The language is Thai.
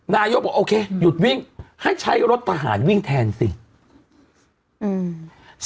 นายกบอกโอเคหยุดวิ่งให้ใช้รถทหารวิ่งแทนสิอืม